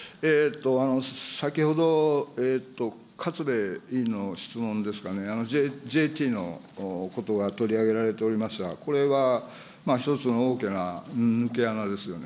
先ほど、勝部委員の質問ですかね、ＪＴのことが取り上げられておりましたが、これは一つの大きな抜け穴ですよね。